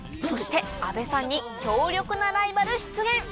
そして阿部さんに強力なライバル出現。